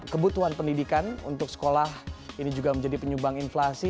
kebutuhan pendidikan untuk sekolah ini juga menjadi penyumbang inflasi